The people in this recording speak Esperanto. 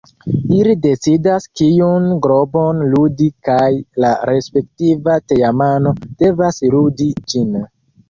Ili decidas kiun globon ludi kaj la respektiva teamano devas ludi ĝin.